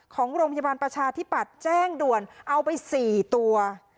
ของโรงพยาบาลประชาธิปัตย์แจ้งด่วนเอาไป๔ตัว